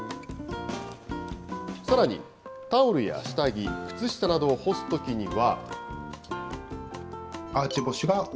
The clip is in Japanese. さらにタオルや下着、靴下などを干すときには。